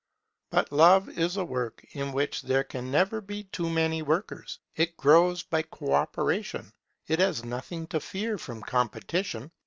But Love is a work in which there can never be too many workers; it grows by co operation; it has nothing to fear from competition.